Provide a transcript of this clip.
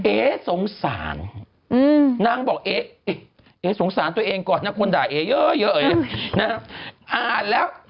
เอ๊สงสารนางบอกเอ๊สงสารตัวเองก่อนนะคนด่าเอเยอะนะฮะอ่านแล้ว